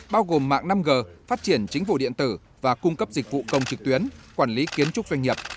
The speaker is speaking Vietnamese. bao gồm mạng năm g phát triển chính phủ điện tử và cung cấp dịch vụ công trực tuyến quản lý kiến trúc doanh nghiệp